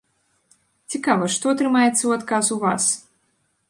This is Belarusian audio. Цікава, што атрымаецца ў адказ у вас?